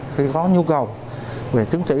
khi có nhu cầu về chứng chỉ